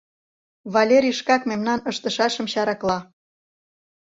— Валерий шкак мемнан ыштышашым чаракла.